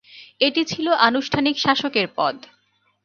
এটি ছিল আনুষ্ঠানিক শাসকের পদ।